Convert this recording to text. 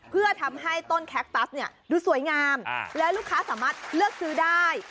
เพื่อทำให้ต้นแคคตัสเนี่ยดูสวยงามและลูกค้าสามารถเลือกซื้อได้